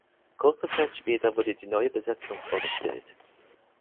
Kurze Zeit später wurde die neue Besetzung vorgestellt.